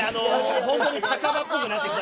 本当に酒場っぽくなってきた。